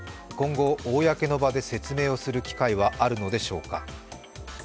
公の場で説明をする機会はあるのでしょうか。